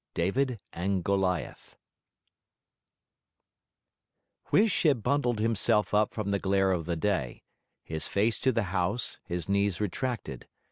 DAVID AND GOLIATH Huish had bundled himself up from the glare of the day his face to the house, his knees retracted.